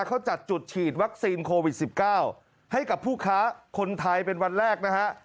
เขาจัดจุดฉีดวัคซีนโควิด๑๙ให้กับผู้ค้าคนไทยเป็นวันแรกนะฮะ